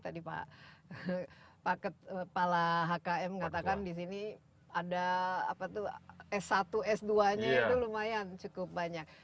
tadi pak kepala hkm katakan di sini ada s satu s dua nya itu lumayan cukup banyak